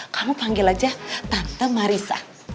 kamu panggil aja tante marisa